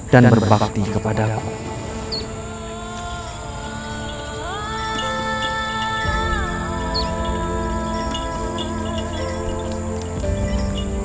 dan berbakti kepada allah